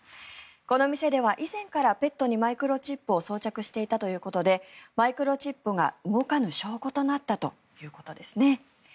この店では以前からペットにマイクロチップを装着していたということでマイクロチップが動かぬ証拠となったということですね。